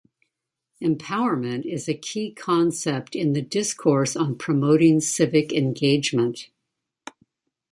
Empowerment is a key concept in the discourse on promoting civic engagement.